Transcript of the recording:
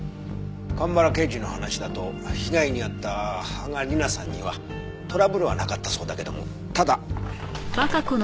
蒲原刑事の話だと被害に遭った芳賀理菜さんにはトラブルはなかったそうだけどもただ。